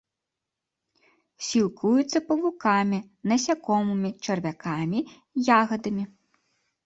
Сілкуецца павукамі, насякомымі, чарвякамі, ягадамі.